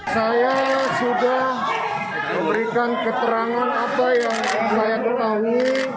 saya sudah memberikan keterangan apa yang saya ketahui